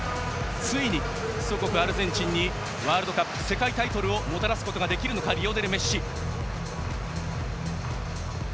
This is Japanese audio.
ついに祖国アルゼンチンにワールドカップ世界タイトルをもたらすことができるのかリオネル・メッシ。